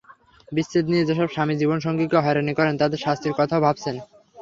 বিচ্ছেদ নিয়ে যেসব স্বামী জীবনসঙ্গীকে হয়রানি করেন, তাঁদের শাস্তির কথাও ভাবছেন।